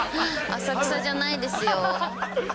浅草じゃないですよ。